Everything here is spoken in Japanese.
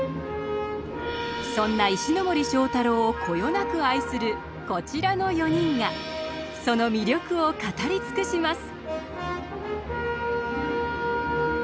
そんな石森章太郎をこよなく愛するこちらの４人がその魅力を語り尽くします。